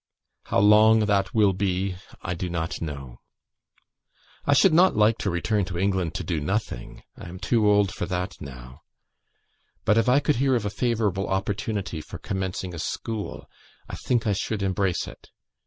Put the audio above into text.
How long that will be, I do not know. I should not like to return to England to do nothing. I am too old for that now; but if I could hear of a favourable opportunity for commencing a school, I think I should embrace it.